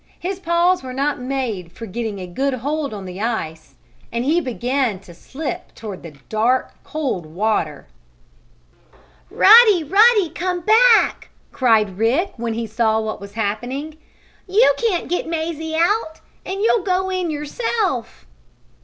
His paws were not made for getting a good hold on the ice, and he began to slip toward the dark, cold water. [Illustration: "Catch hold of her, now!" cried Rick.] "Ruddy! Ruddy! Come back!" cried Rick, when he saw what was happening. "You can't get Mazie out, and you'll go in yourself."